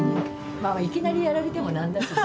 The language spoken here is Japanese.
まあいきなりやられても何だしね。